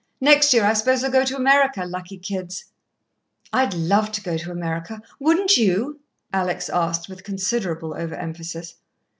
Next year I suppose they'll go to America, lucky kids!" "I'd love to go to America, wouldn't you?" Alex asked, with considerable over emphasis.